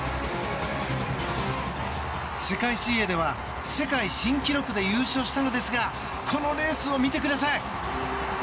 世界水泳では世界新記録で優勝したのですがこのレースを見てください。